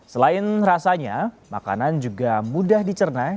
selain rasanya makanan juga mudah dicerna